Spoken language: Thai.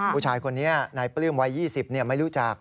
ผู้ชายคนนี้นายปลื้มวัย๒๐ไม่รู้จัก